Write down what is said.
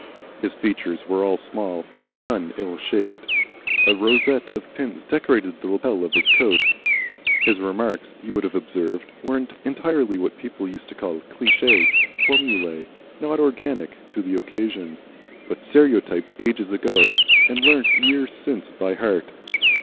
His features were all small, but none ill shaped. A rosette of pins decorated the lappel of his coat. His remarks, you would observe, were entirely what people used to call cliche, formulae not organic to the occasion, but stereotyped ages ago and learnt years since by heart.